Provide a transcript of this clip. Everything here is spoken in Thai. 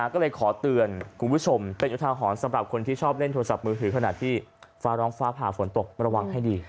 ก็เลยขอเตือนคุณผู้ชมเป็นอุทาหรณ์สำหรับคนที่ชอบเล่นโทรศัพท์มือถือขนาดที่ฟ้าร้องฟ้าผ่าฝนตกระวังให้ดี